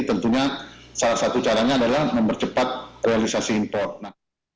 tentunya salah satu caranya adalah mempercepat realisasi impor